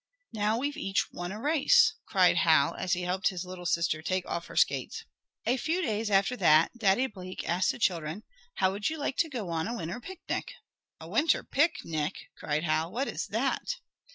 "Now we've each won a race!" cried Hal, as he helped his sister take off her skates. A few days after that Daddy Blake asked the children: "How would you like to go on a winter picnic?" "A winter pic nic!" cried Hal. "What is that?"